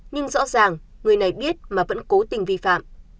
nhưng rõ ràng người này biết mà vẫn cố tình vi phạm